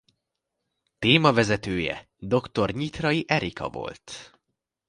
Témavezetője dr. Nyitrai Erika volt.